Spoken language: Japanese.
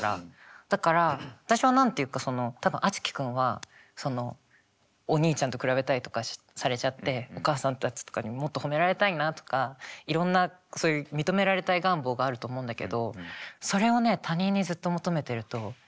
だから私は何て言うかその多分あつき君はそのお兄ちゃんと比べたりとかされちゃってお母さんたちとかにもっと褒められたいなとかいろんなそういう認められたい願望があると思うんだけどそれをね他人にずっと求めてるとずっと不幸だよ。